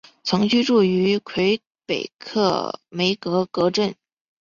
曾居住于魁北克梅戈格镇。